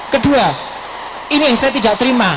kedua ini yang saya tidak terima